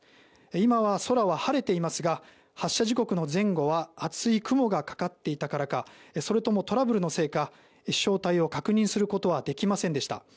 今は空は晴れていますが発射時刻の前後は厚い雲がかかっていたからかそれともトラブルのせいか飛翔体を確認することはできませんでした。